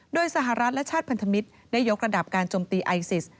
โดยสหรัฐและชาติพันธมิตรได้ยกระดับการจมตีไอซิส